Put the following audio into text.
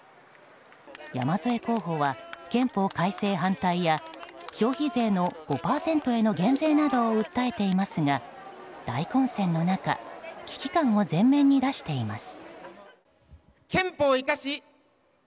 山添候補は、憲法改正反対や消費税５％への減税を訴えていますが、大混戦の中危機感を前面に出しています。